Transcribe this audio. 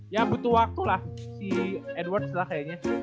ya butuh waktu lah si edwards lah kayaknya